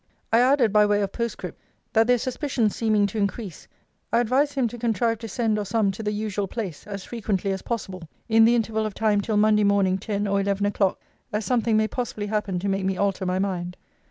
I added, by way of postscript, 'That their suspicions seeming to increase, I advise him to contrive to send or some to the usual place, as frequently as possible, in the interval of time till Monday morning ten or eleven o'clock; as something may possibly happen to make me alter my mind.'